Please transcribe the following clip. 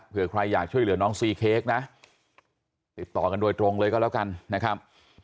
เพื่อใครอยากช่วยเหลือน้องซีเค้กนะติดต่อกันโดยตรงเลยก็แล้วกันนะครับ